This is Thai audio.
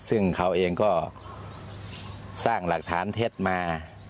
ซึ่งเขาเองก็สร้างหลักฐานเท็จมา